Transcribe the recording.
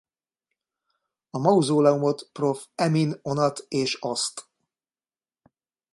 A mauzóleumot prof. Emin Onat és asst.